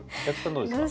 どうですか？